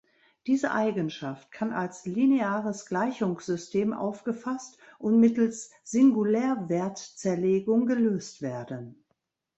Diese Eigenschaft kann als lineares Gleichungssystem aufgefasst und mittels Singulärwertzerlegung gelöst werden.